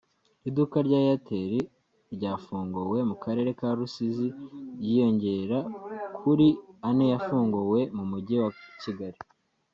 Iduka rya Airtel ryafunguwe mu karere ka Rusizi ryiyongerakuri ane yafunguwe mu mujyi wa Kigali